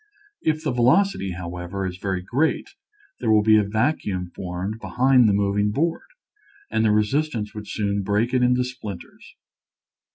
If the velocity, however, is very great there will be a vacuum formed behind the moving board, and the re sistance would soon break it into splinters.